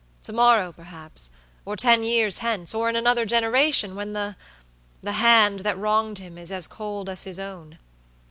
To morrow, perhaps; or ten years hence, or in another generation, when thethe hand that wronged him is as cold as his own.